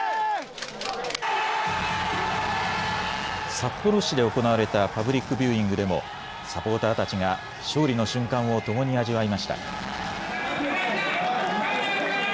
札幌市で行われたパブリック・ビューイングでもサポーターたちが勝利の瞬間をともに味わいました。